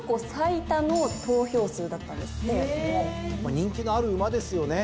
人気のある馬ですよね。